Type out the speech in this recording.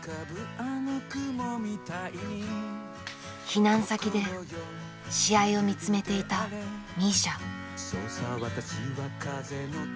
避難先で試合を見つめていたミーシャ。